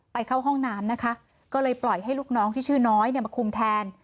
เข้าห้องน้ำนะคะก็เลยปล่อยให้ลูกน้องที่ชื่อน้อยเนี่ยมาคุมแทน